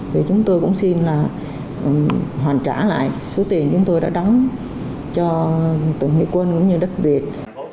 thì chúng tôi cũng xin là hoàn trả lại số tiền chúng tôi đã đóng cho từng nữ quân cũng như đất việt